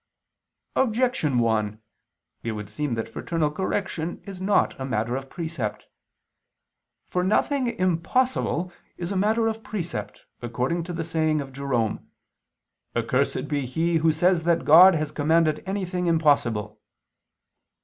Objection 1: It would seem that fraternal correction is not a matter of precept. For nothing impossible is a matter of precept, according to the saying of Jerome [*Pelagius, Expos. Symb. ad Damas]: "Accursed be he who says that God has commanded anything impossible."